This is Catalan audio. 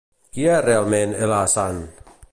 Qui és realment el Hassan?